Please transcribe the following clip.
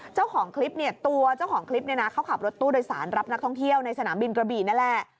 เจ้าของคลิปตัวเขาขับรถตู้โดยสารรับนักท่องเที่ยวในสนามบินกระบี่นั่นแหละ